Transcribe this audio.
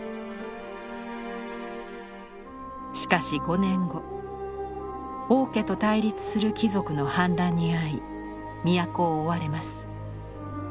しかし５年後王家と対立する貴族の反乱に遭い都を追われます。